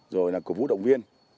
rồi là cổ vũ động viên